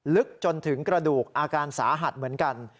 ลึกจนถึงกระดูกอาการสาหัสเหมือนกัน